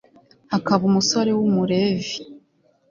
hakaba umusore w'umulevi